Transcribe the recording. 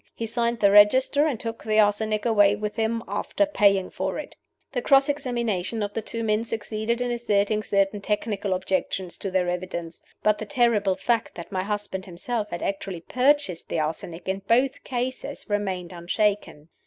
He signed the register, and took the arsenic away with him, after paying for it." The cross examination of the two men succeeded in asserting certain technical objections to their evidence. But the terrible fact that my husband himself had actually purchased the arsenic in both cases remained unshaken.